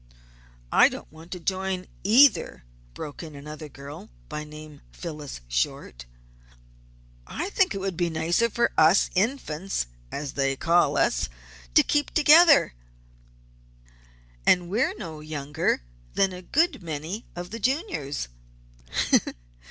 "I don't want to join either," broke in another girl, by name Phyllis Short. "I think it would be nicer for us Infants, as they call us, to keep together. And we're no younger than a good many of the Juniors!"